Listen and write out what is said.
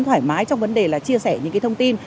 thoải mái trong vấn đề là chia sẻ những thông tin